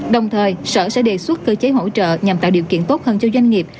đồng thời sở sẽ đề xuất cơ chế hỗ trợ nhằm tạo điều kiện tốt hơn cho doanh nghiệp